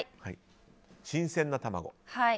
新鮮な卵。